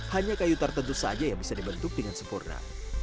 hanya kayu tertentu saja yang bisa dibentuk dengan sempurna